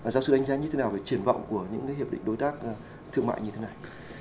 giáo sư đánh giá như thế nào về triển vọng của những hiệp định đối tác thương mại như thế này